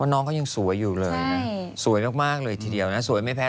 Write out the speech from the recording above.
น้องเขายังสวยอยู่เลยนะสวยมากเลยทีเดียวนะสวยไม่แพ้